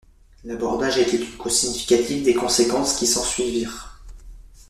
L'abordage a été une cause significative des conséquences qui s'ensuivirent.